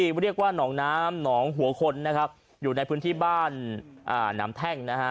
เรียกว่าหนองน้ำหนองหัวคนนะครับอยู่ในพื้นที่บ้านอ่าน้ำแท่งนะฮะ